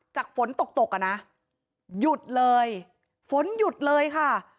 ฝนตกตกอ่ะนะหยุดเลยฝนหยุดเลยค่ะ